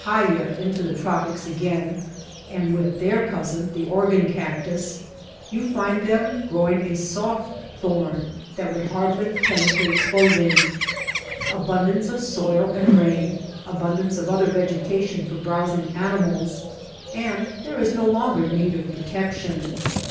pitahaya into the tropics again, and with their cousin, the organ cactus, you find them growing a soft thorn that would hardly penetrate cloth ing. Abundance of soil and rain, abundance of other vegetation for browsing animals, and there is no longer need of protection.